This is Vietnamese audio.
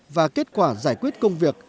và kết quả giải quyết công việc